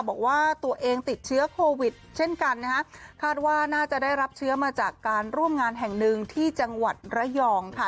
บอกว่าตัวเองติดเชื้อโควิดเช่นกันนะคะคาดว่าน่าจะได้รับเชื้อมาจากการร่วมงานแห่งหนึ่งที่จังหวัดระยองค่ะ